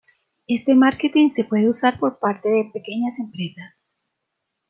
Este marketing se suele usar por parte de pequeñas empresas.